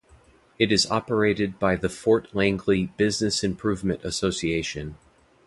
It is operated by the Fort Langley Business Improvement Association.